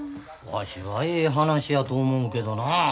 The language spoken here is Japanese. わしはええ話やと思うけどな。